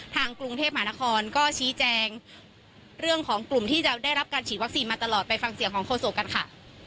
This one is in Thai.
ทางกรุงเทพมหานครก็ชี้แจงเรื่องของกลุ่มที่จะได้รับการฉีดวัคซีนมาตลอดไปฟังเสียงของโศกกันค่ะ